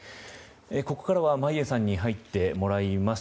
ここからは眞家さんに入ってもらいます。